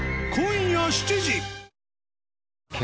今夜７時。